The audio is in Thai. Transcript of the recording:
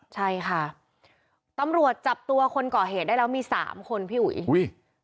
ใช่ค่ะตำรวจจับตัวคนก่อเหตุได้แล้วมีสามคนพี่อุ๋ยอุ้ย